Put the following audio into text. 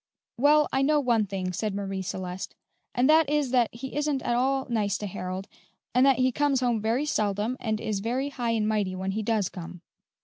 "Well, I know one thing," said Marie Celeste, "and that is that he isn't at all nice to Harold, and that he comes home very seldom, and is very high and mighty when he does come."